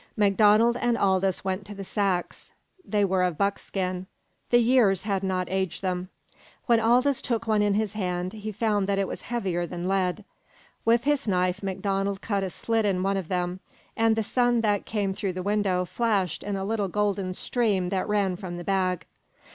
MacDonald and Aldous went to the sacks. They were of buckskin. The years had not aged them. When Aldous took one in his hands he found that it was heavier than lead. With his knife MacDonald cut a slit in one of them, and the sun that came through the window flashed in a little golden stream that ran from the bag.